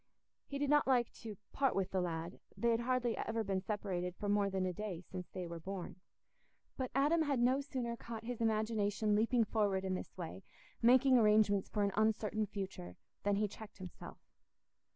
He did not like "to part wi' th' lad": they had hardly ever been separated for more than a day since they were born. But Adam had no sooner caught his imagination leaping forward in this way—making arrangements for an uncertain future—than he checked himself.